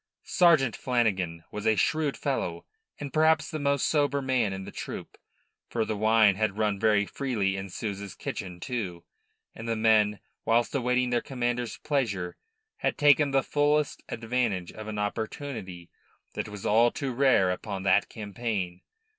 Sergeant Flanagan was a shrewd fellow and perhaps the most sober man in the troop for the wine had run very freely in Souza's kitchen, too, and the men, whilst awaiting their commander's pleasure, had taken the fullest advantage of an opportunity that was all too rare upon that campaign.